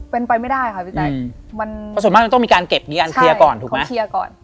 เป็นไปไม่ได้ค่ะพี่แจ๊คมันเพราะส่วนมากมันต้องมีการเก็บมีการเคลียร์ก่อนถูกไหมเคลียร์ก่อน